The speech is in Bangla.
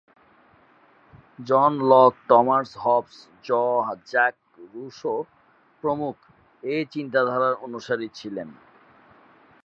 জন লক, টমাস হবস, জঁ-জাক রুসো প্রমুখ এ চিন্তাধারার অনুসারী ছিলেন।